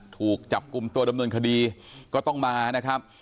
ถูกจับกลุ่มตัวดำเนินคดีก็ต้องมานะครับ